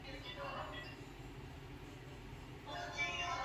wakiwemo Waprotestanti asilimia sitini na sita na Wakatoliki asilimia saba